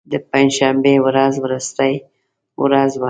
د پنج شنبې ورځ وروستۍ ورځ وه.